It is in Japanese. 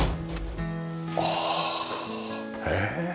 ああへえ。